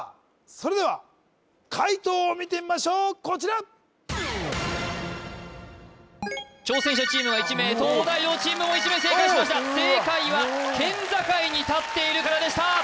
それでは解答を見てみましょうこちら挑戦者チームが１名東大王チームも１名正解しました正解は県境に建っているからでした